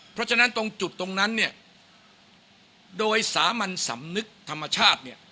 เพราะฉะนั้นตรงจุดตรงนั้นเนี่ยโดยสามัญสำนึกธรรมชาติเนี่ย